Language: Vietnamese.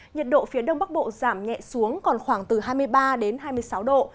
nhiệt độ phía đông bắc bộ giảm nhẹ xuống còn khoảng từ hai mươi ba đến hai mươi sáu độ